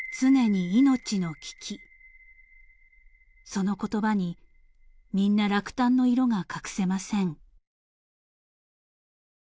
［その言葉にみんな落胆の色が隠せません］